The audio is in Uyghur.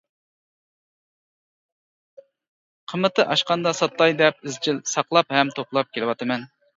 قىممىتى ئاشقاندا ساتاي دەپ ئىزچىل ساقلاپ ھەم توپلاپ كېلىۋاتىمەن.